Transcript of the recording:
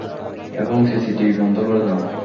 এবং সিসিটিভি বন্ধ করে দাও।